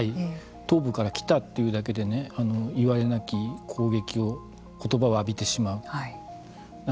東部から来たというだけで言われなき攻撃を言葉を浴びてしまう。